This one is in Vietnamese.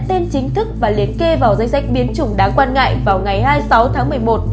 tên chính thức và liệt kê vào danh sách biến chủng đáng quan ngại vào ngày hai mươi sáu tháng một mươi một